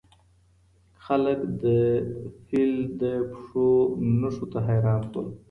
خلګ د فیل د پښو نښو ته حیران سول.